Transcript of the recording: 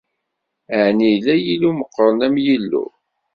Ɛni yella yillu meqqren am Yillu?